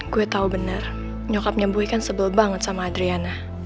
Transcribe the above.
gue tau bener nyokapnya boy kan sebel banget sama adriana